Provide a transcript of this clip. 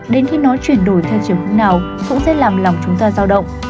đến khi nó chuyển đổi theo chiều hướng nào cũng sẽ làm lòng chúng ta giao động